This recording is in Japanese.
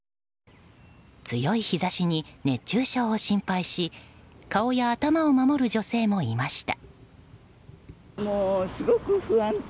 強い日差しに熱中症を心配し顔や頭を守る女性もいました。